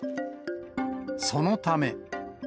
そのため。